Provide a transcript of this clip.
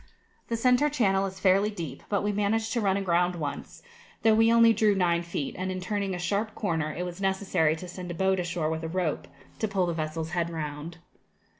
The centre channel is fairly deep; but we managed to run aground once, though we only drew nine feet, and in turning a sharp corner it was necessary to send a boat ashore with a rope, to pull the vessel's head round.